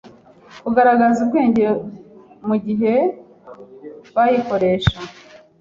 kugaragaza ubwenge mu gihe bayikoresha.